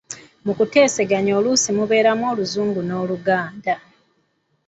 Mukuteeseganya oluusi mubeeramu Oluzungu n’Oluganda.